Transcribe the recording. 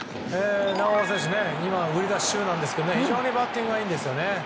今は売り出し中なんですけど非常にバッティングがいいんですよね。